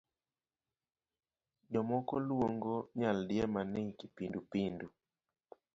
Jomoko luongo nyaldiema ni kipindu pindu.